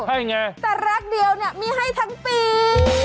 ให้ไงแต่รักเดียวมีให้ทั้งปี